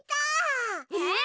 えっ？